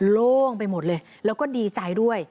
โล่งไปหมดเลยแล้วก็ดีใจด้วย